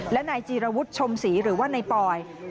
และในจีรวุฒิชมศรีหรือว่าในปลอย